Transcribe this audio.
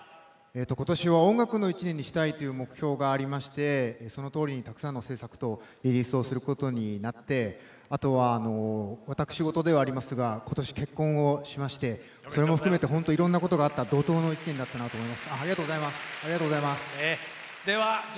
今年は音楽の１年にしたいという目標がありましてそのとおりたくさんの作品を制作、リリースすることになってあとは、私事ではありますが今年結婚をしましてそれも含めていろんなことがあった怒とうの１年だったと思います。